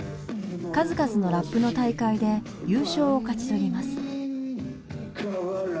数々のラップの大会で優勝を勝ち取ります。